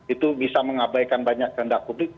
itu bisa mengabaikan banyak kehendak publik